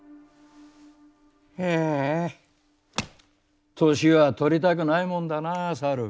ああ年は取りたくないもんだなあ猿。